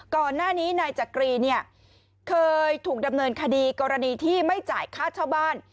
ก่อนหน้านี้นายจักรีเนี่ยเคยถูกดำเนินคดีกรณีที่ไม่จ่ายค่าเช่าบ้าน